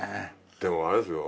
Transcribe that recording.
でもあれですよ